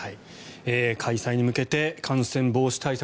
開催に向けて感染防止対策